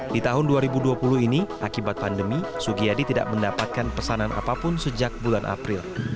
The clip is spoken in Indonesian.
di tahun dua ribu dua puluh ini akibat pandemi sugiyadi tidak mendapatkan pesanan apapun sejak bulan april